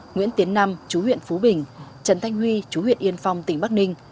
nguyễn tiến nam chú huyện phú bình trần thanh huy chú huyện yên phong tỉnh bắc ninh